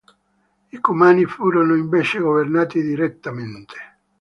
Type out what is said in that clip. I Cumani furono invece governati direttamente.